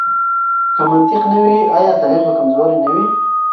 که منطق نه وي، آیا دلیل به کمزوری نه وي؟